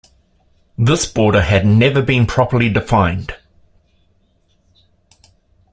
This border had never been properly defined.